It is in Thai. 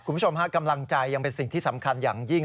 คุณผู้ชมฮะกำลังใจยังเป็นสิ่งที่สำคัญอย่างยิ่ง